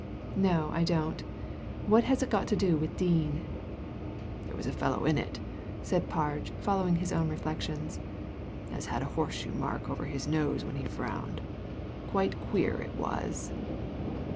" No, I don't. What has it got to do with Dean ?"" There was a fellow in it/' said Parge, following his own reflections, ^ as had a horseshoe mark over his nose when he frowned. Quite queer it was."